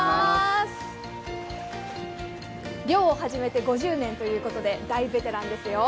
漁を始めて５０年ということでベテランですよ。